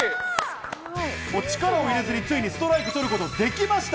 力を入れずに、ついにストライクを取ることができました。